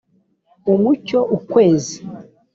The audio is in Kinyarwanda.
umucyo ukwezi